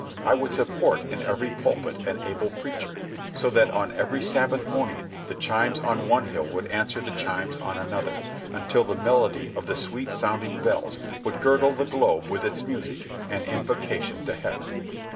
I would support in every pulpit an able preacher, so that on every Sabbath morning the chimes on one hill would answer the chimes on another, until the melody of the sweet, sounding bells would girdle the globe with its music, an invocation to heaven."